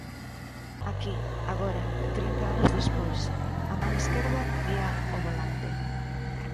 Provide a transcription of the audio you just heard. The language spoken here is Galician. Aquí, agora, trinta anos despois, a man esquerda guía o volante.